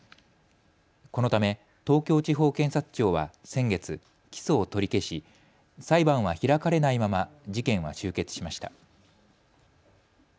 このため、東京地方検察庁は先月、起訴を取り消し裁判は開かれないまま事件は終結しました。